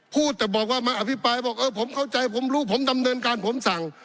พูดแต่บอกว่ามาอภิปรายบอกเออผมเข้าใจผมรู้ผมดำเนินการผมสั่ง